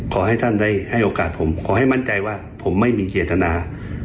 ขอให้ท่านได้ให้โอกาสผมขอให้มั่นใจว่าผมไม่มีเจตนา